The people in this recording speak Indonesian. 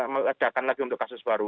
mengadakan lagi untuk kasus baru